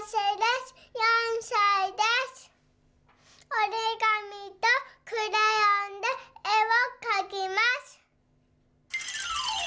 おりがみとクレヨンでえをかきます。